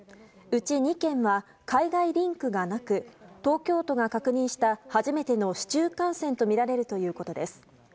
うち２件は海外リンクがなく東京都が確認した初めての市中感染とみられるということです。